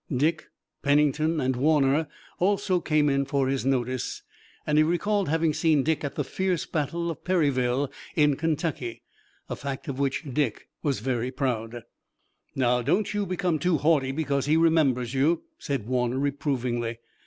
Dick, Pennington and Warner also came in for his notice, and he recalled having seen Dick at the fierce battle of Perryville in Kentucky, a fact of which Dick was very proud. "Now don't become too haughty because he remembers you," said Warner reprovingly.